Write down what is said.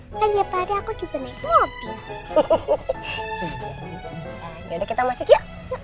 kan tiap hari aku juga nekis ya